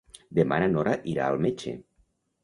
Demà na Nora irà al metge.